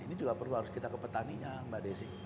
ini juga perlu harus kita ke petaninya mbak desi